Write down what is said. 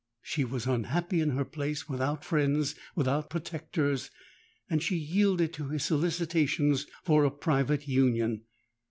She was unhappy in her place—without friends—without protectors; and she yielded to his solicitations for a private union.